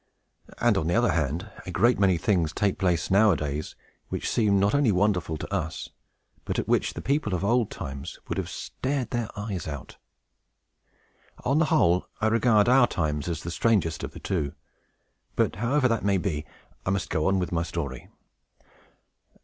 And, on the other hand, a great many things take place nowadays, which seem not only wonderful to us, but at which the people of old times would have stared their eyes out. On the whole, I regard our own times as the strangest of the two; but, however that may be, I must go on with my story.